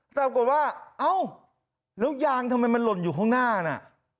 ปรากฏว่าเอ้าแล้วยางทำไมมันหล่นอยู่ข้างหน้าน่ะ